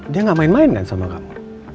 dia gak main main kan sama kamu